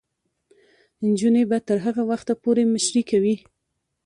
نجونې به تر هغه وخته پورې مشري کوي.